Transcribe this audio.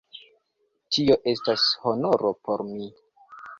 Tio estas honoro por mi.